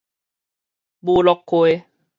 武洛溪